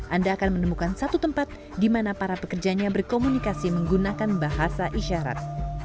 anda akan menemukan satu tempat di mana para pekerjanya berkomunikasi menggunakan bahasa isyarat